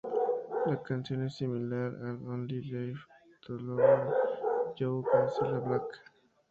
La canción es similar a 'I Only Live To Love You' de Cilla Black.